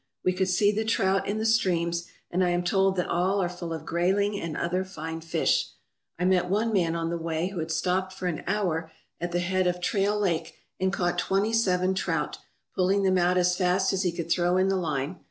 We could see the trout in the streams, and I am told that all are full of grayling and other fine fish. I mec one man on the way who had stopped for an hour at the head of Trail Lake and caught twenty seven trout, pulling them out as fast as he could throw in the line.